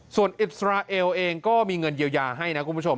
ส่วนอิสราเอลเองก็มีเงินเยียวยาให้นะคุณผู้ชม